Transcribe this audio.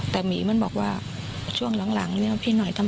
เขาเล่นยาหรือโดนของอะไรไหม